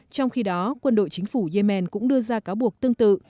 trong khi đó quân đội chính phủ yemen cũng đưa ra cáo buộc tương tự